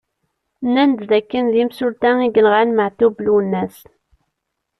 Nnan-d d akken d imsulta i yenɣan Maɛtub Lwennas.